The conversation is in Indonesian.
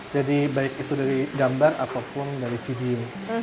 jadi baik itu dari gambar ataupun dari video